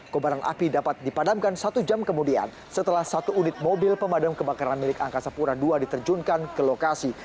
kobaran api dapat dipadamkan satu jam kemudian setelah satu unit mobil pemadam kebakaran milik angkasa pura ii diterjunkan ke lokasi